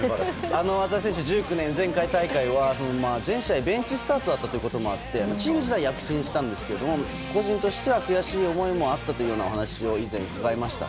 松田選手、１９年前回大会は全試合ベンチスタートだったということでチーム自体は躍進したんですけど個人としては悔しい思いもあったというお話を以前、伺いました。